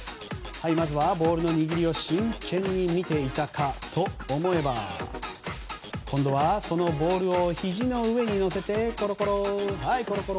まずはボールの握りを真剣に見ていたかと思えば今度はそのボールをひじの上に乗せてコロコロ、コロコロ。